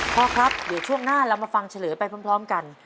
พ่อครับเดี๋ยวช่วงหน้าเรามาฟังเฉลยไปพร้อมกัน